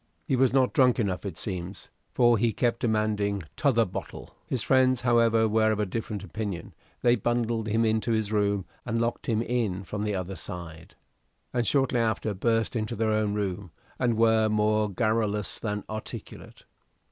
He was not drunk enough, it seems, for he kept demanding "t'other bottle." His friends, however, were of a different opinion; they bundled him into his room and locked him in from the other side, and shortly after burst into their own room, and were more garrulous than articulate.